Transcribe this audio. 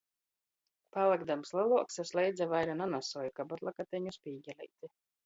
Palykdams leluoks, es leidza vaira nanosuoju kabatlakateņu, spīgeleiti.